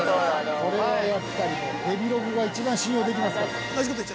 ◆これはやっぱりデヴィログが一番信用できますから。